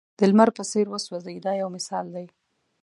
د لمر په څېر وسوځئ دا یو مثال دی.